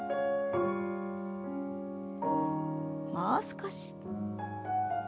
もう少し。